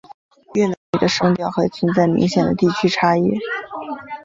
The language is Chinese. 越南语的声调还存在明显的地区差异。